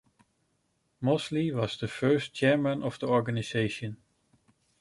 Mosley was the first chairman of the organisation.